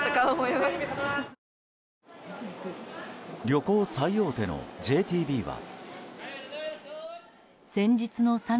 旅行最大手のＪＴＢは。